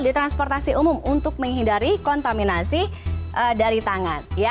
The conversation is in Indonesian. ditransportasi umum untuk menghindari kontaminasi dari tangan